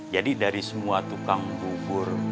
jadi dari semua tukang bubur